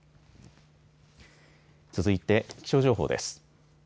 続いて気象情報です。